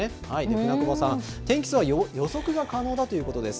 舟久保さん、天気痛は予測が可能だということです。